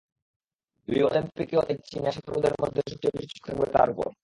Rio অলিম্পিকেও তাই চীনা সাঁতারুদের মধ্যে সবচেয়ে বেশি চোখ থাকবে তাঁর ওপর।